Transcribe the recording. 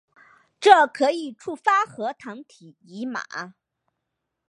这可以触发核糖体移码。